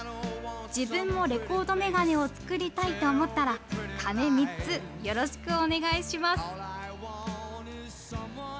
自分もレコードメガネを作りたいと思ったら、鐘３つ、よろしくお願いします。